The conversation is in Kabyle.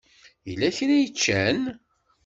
Yella kra i ččan?